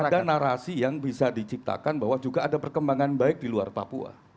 ada narasi yang bisa diciptakan bahwa juga ada perkembangan baik di luar papua